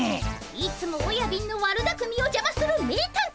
いつもおやびんの悪だくみをじゃまする名探偵